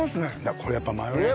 これやっぱマヨネーズ。